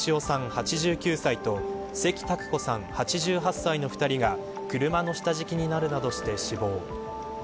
８９歳と関拓子さん８８歳の２人が車の下敷きになるなどして死亡。